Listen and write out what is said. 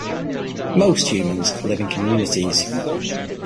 Most humans live in communities.